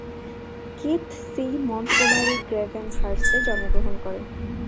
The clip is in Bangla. Keith C. মন্টগোমারি গ্রেভেনহার্স্টে জন্মগ্রহণ করেন।